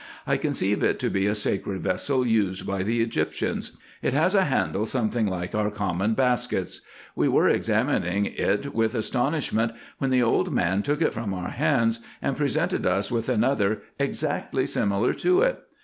I conceive it to be a sacred vessel used by the Egyptians. It has a handle something like our common baskets. We were examining it with astonishment, when the old man took it from our hands, and presented us with another exactly similar to it.